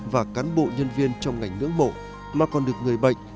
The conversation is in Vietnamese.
và cán bộ nhân viên trong ngành ngưỡng mộ mà còn được người bệnh